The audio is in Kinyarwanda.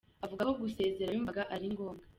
Avuga ko gusezera yumvaga ari ngombwa.